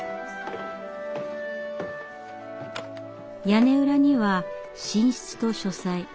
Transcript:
屋根裏には寝室と書斎。